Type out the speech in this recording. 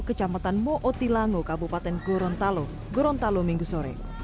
kecamatan mootilango kabupaten gorontalo gorontalo minggu sore